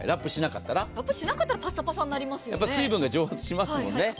ラップしなかったら水分が蒸発しますもんね。